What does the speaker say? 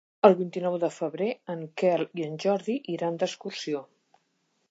El vint-i-nou de febrer en Quel i en Jordi iran d'excursió.